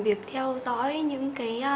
việc theo dõi những cái